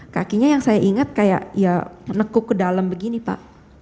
kakinya yang saya ingat kayak ya nekuk ke dalam begini pak